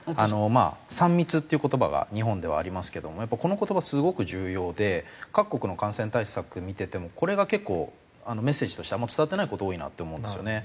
まあ「３密」っていう言葉が日本ではありますけどもやっぱりこの言葉すごく重要で各国の感染対策見ててもこれが結構メッセージとしてあんまり伝わってない事多いなって思うんですよね。